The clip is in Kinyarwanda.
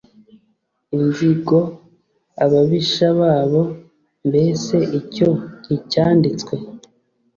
inzigo ababisha babo mbese icyo nticyanditswe